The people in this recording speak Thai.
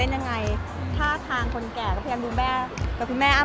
อันนี้ต้องเรียกเสียงปกตินะคะ